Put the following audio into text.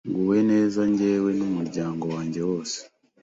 nguwe neza njyewe n’umuryango wanjye wose,